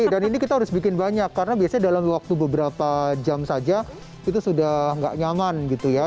dan ini kita harus bikin banyak karena biasanya dalam waktu beberapa jam saja itu sudah enggak nyaman gitu ya